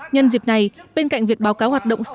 nhân dịp này bên cạnh việc báo cáo hoạt động